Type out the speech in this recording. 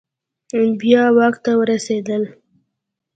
بیا واک ته ورسیدل